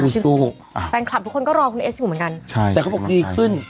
แฟนคลับทุกคนก็รอคุณเอสอยู่เหมือนกันใช่แต่เขาบอกดีขึ้น